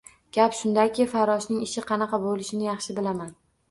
Gap shundaki, farroshning ishi qanaqa bo‘lishini yaxshi bilaman.